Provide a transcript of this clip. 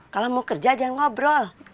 kalau mau kerja jangan ngobrol